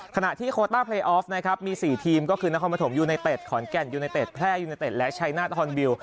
ขณะที่โคต้าเพลยออฟนะครับมี๔ทีมก็คือนครปฐมยูไนเต็ดขอนแก่นยูเนเต็ดแพร่ยูเนเต็ดและชัยหน้าตะคอนบิล